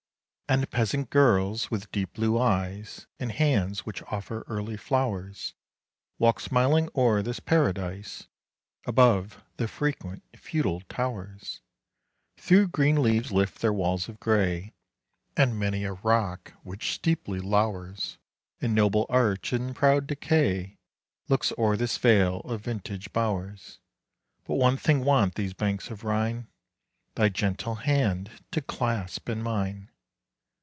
10 And peasant girls, with deep blue eyes And hands which offer early flowers, Walk smiling o'er this paradise; Above, the frequent feudal towers Through green leaves lift their walls of grey; 15 And many a rock which steeply lowers, And noble arch in proud decay, Look o'er this vale of vintage bowers; But one thing want these banks of Rhine, Thy gentle hand to clasp in mine!